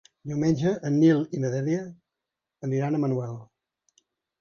Diumenge en Nil i na Dèlia aniran a Manuel.